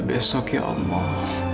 tolong ya allah